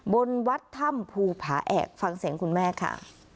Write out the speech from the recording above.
บนวัดถ้ำภูผาแอกฟังเสียงคุณแม่ค่ะ